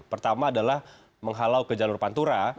pertama adalah menghalau ke jalur pantura